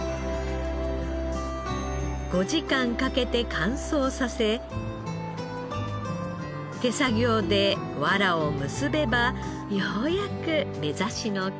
５時間かけて乾燥させ手作業で藁を結べばようやくめざしの完成です。